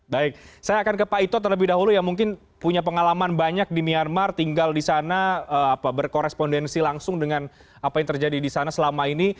baik saya akan ke pak ito terlebih dahulu yang mungkin punya pengalaman banyak di myanmar tinggal di sana berkorespondensi langsung dengan apa yang terjadi di sana selama ini